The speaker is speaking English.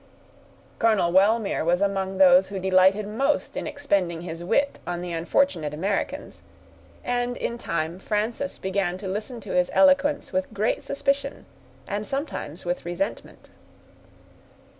Colonel Wellmere was among those who delighted most in expending his wit on the unfortunate Americans; and, in time, Frances began to listen to his eloquence with great suspicion, and sometimes with resentment.